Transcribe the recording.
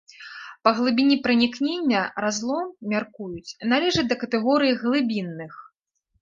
Па глыбіні пранікнення разлом, мяркуюць, належыць да катэгорыі глыбінных.